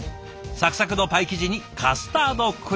サクサクのパイ生地にカスタードクリーム。